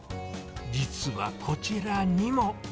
実はこちらにも。